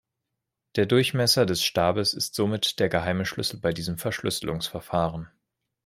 Der Durchmesser des Stabes ist somit der geheime Schlüssel bei diesem Verschlüsselungsverfahren.